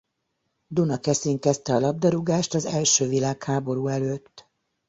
Dunakeszin kezdte a labdarúgást az első világháború előtt.